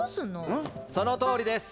な⁉・そのとおりです。